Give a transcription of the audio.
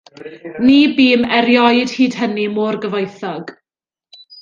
Ni bûm erioed hyd hynny mor gyfoethog.